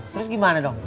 terus gimana dong